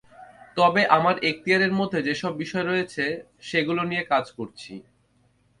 তবে আমার এখতিয়ারের মধ্যে যেসব বিষয় রয়েছে, সেগুলো নিয়ে কাজ করছি।